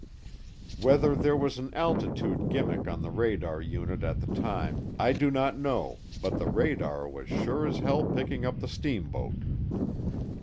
Whether there was an altitude gimmick on the radar unit at the time I do not know but the radar was sure as hell picking up the steamboat.